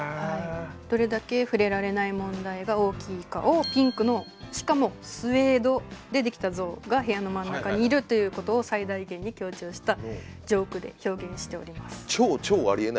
どれだけ触れられない問題が大きいかをピンクのしかもスエードでできた象が部屋の真ん中にいるということを最大限に強調したジョークで表現しております。